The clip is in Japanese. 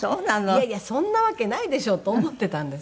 いやいやそんなわけないでしょと思っていたんですよ。